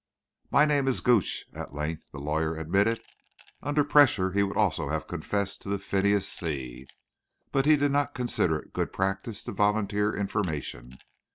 "My name is Gooch," at length the lawyer admitted. Upon pressure he would also have confessed to the Phineas C. But he did not consider it good practice to volunteer information.